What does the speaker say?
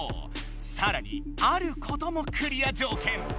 さらにあることもクリアじょうけん。